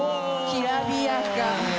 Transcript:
きらびやか！